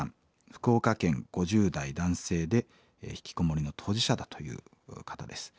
福岡県５０代男性でひきこもりの当事者だという方です。